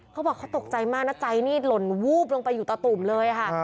เขาบอกเขาตกใจมากนะใจนี่หล่นวูบลงไปอยู่ตะตุ่มเลยค่ะ